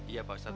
iya pak ustadz